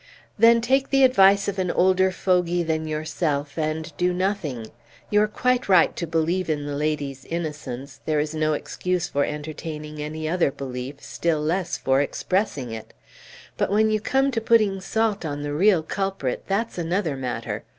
"Then take the advice of an older fogey than yourself, and do nothing! You are quite right to believe in the lady's innocence; there is no excuse for entertaining any other belief, still less for expressing it. But when you come to putting salt on the real culprit, that's another matter.